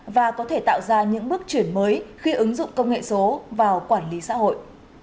và có thể tạo ra những bước chuyển mới khi ứng dụng công nghệ số vào quản lý xã hội